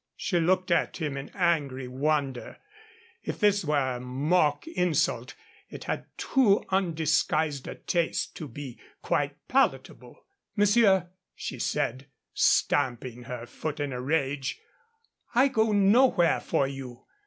She looked at him in an angry wonder. If this were mock insult, it had too undisguised a taste to be quite palatable. "Monsieur," she said, stamping her foot in a rage, "I go nowhere for you.